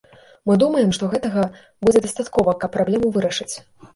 Мы думаем, што гэтага будзе дастаткова, каб праблему вырашыць.